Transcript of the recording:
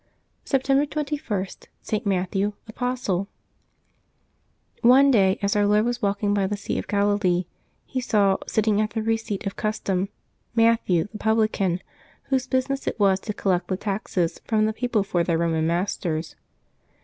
September 21.— ST. MATTHEW, Apostle. ONE day, as Our Lord was walking by the Sea of Galilee, He saw, sitting at the receipt of custom, Matthew the publican, whose business it was to collect the taxes from the people for their Eoman masters.